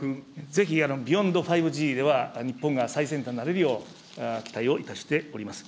ぜひ、Ｂｅｙｏｎｄ５Ｇでは日本が最先端になれるよう、期待をいたしております。